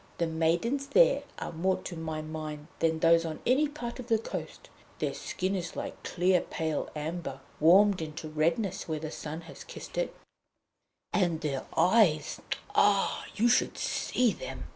The maidens there are more to my mind than those on any other part of the coast; their skin is like clear pale amber, warmed into redness where the sun has kissed it, and their eyes ah! you should see them!